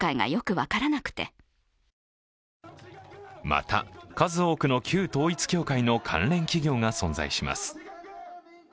また数多くの旧統一教会の関連企業が存在します。